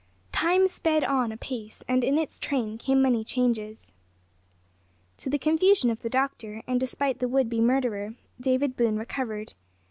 Time sped on apace, and in its train came many changes. To the confusion of the doctor and despite the would be murderer, David Boone recovered.